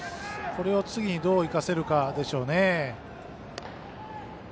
これを次にどう生かせるかでしょうね。